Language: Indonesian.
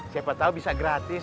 siapa tau bisa gratis